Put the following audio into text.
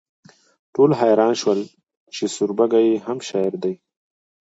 ټول حیران شول چې سوربګی هم شاعر دی